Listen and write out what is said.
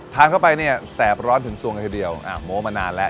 ทานเข้าไปเนี่ยแสบร้อนถึงส่วนกันทีเดียวอ่ะหมวนมานานแล้ว